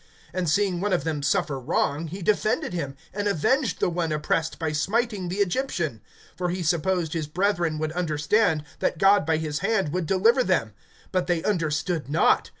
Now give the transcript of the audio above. (24)And seeing one of them suffer wrong, he defended him, and avenged the one oppressed by smiting the Egyptian. (25)For he supposed his brethren would understand, that God by his hand would deliver them; but they understood not.